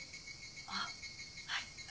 あっはい。